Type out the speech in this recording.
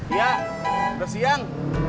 iya udah siang